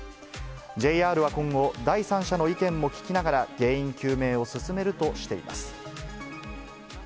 ＪＲは今後、第三者の意見も聞きながら、原因究明を進めるとしています。